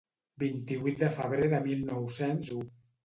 Vint-i-vuit de febrer de mil nou-cents u.